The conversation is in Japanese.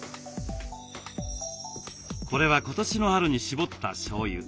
これは今年の春に搾ったしょうゆ。